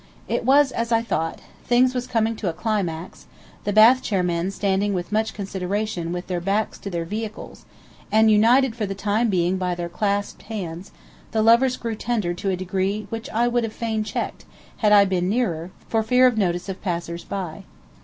It was as I thought; things was coming to a climax; the bath chair men standing with much consideration with their backs to their vehicles, and, united for the time being by their clasped hands, the lovers grew tender to a degree which I would have fain checked, had I been nearer, for fear of notice by passers by.